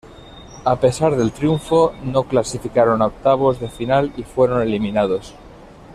A pesar del triunfo, no clasificaron a octavos de final y fueron eliminados.